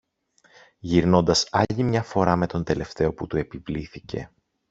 γυρνώντας άλλη μια φορά με τον τελευταίο που του επιβλήθηκε